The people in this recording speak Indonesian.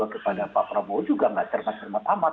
kepada pak prabowo juga nggak cermat cermat amat